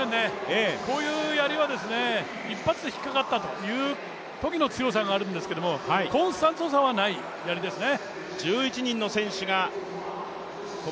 こういうやりは一発で引っかかったというときの強さはあるんですけどコンスタントさはないやりですね。